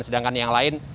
sedangkan yang lain